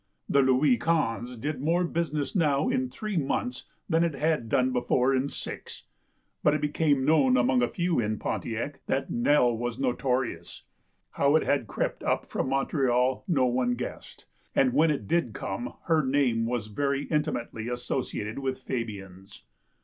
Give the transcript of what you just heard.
The Louis Ouinze did m^ore business now in three months than it had done before in six. But it became known among a few in Pontiac that Nell was noto rious. How it had crept up from Montreal no one guessed, and, when it did come, her name was very in timately associated with Fabian's.